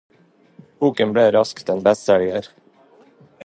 Boken ble raskt en bestselger.